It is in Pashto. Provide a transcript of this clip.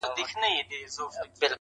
دېو که شیطان یې خو ښکرور یې-